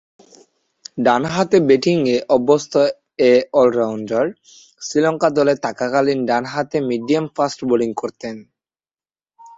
ডানহাতে ব্যাটিংয়ে অভ্যস্ত এ অল-রাউন্ডার শ্রীলঙ্কা দলে থাকাকালীন ডানহাতে মিডিয়াম ফাস্ট বোলিং করতেন।